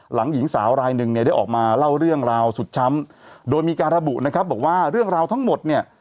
หญิงสาวรายหนึ่งเนี่ยได้ออกมาเล่าเรื่องราวสุดช้ำโดยมีการระบุนะครับบอกว่าเรื่องราวทั้งหมดเนี่ย